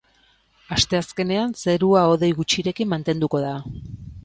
Asteazkenean zerua hodei gutxirekin mantenduko da.